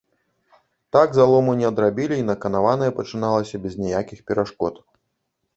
Так залому не адрабілі, й наканаванае пачыналася без ніякіх перашкод.